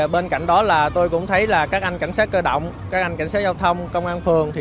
bên cạnh đó là tôi cũng thấy là các anh cảnh sát cơ động các anh cảnh sát giao thông công an phường